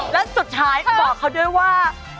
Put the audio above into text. และสุดท้ายบอกเขาด้วยว่า